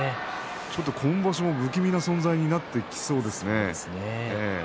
今場所も不気味な存在になってきそうですね。